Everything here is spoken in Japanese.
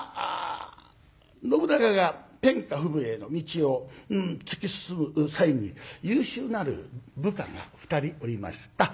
信長が天下布武への道を突き進む際に優秀なる部下が２人おりました。